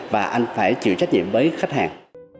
và anh phải chịu trách nhiệm với khách hàng